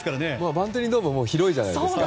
バンテリンドームって広いじゃないですか。